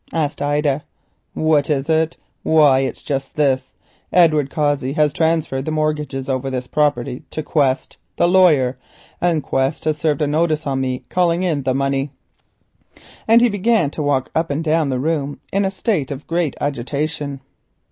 asked Ida. "What is it? Why it's just this. Edward Cossey has transferred the mortgages over this property to Quest, the lawyer, and Quest has served a notice on me calling in the money," and he began to walk up and down the room in a state of great agitation.